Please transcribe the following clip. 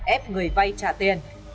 ép người vay trả tiền